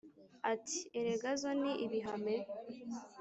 Ati "erega zo ni ibihame